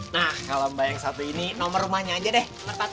nah kalau mbak yang satu ini nomor rumahnya aja deh